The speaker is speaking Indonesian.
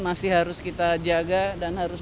masih harus kita jaga dan harus